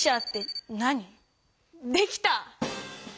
できた！